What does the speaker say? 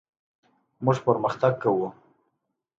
موږ پرمختګ کوو.